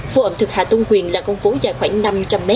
phố ẩm thực hà tôn quyền là con phố dài khoảng năm trăm linh m